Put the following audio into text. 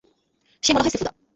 সে মনে হয় সেফুদা।